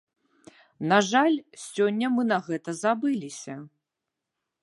На жаль, сёння мы на гэта забыліся.